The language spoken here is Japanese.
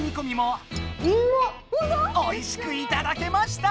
おいしくいただけました！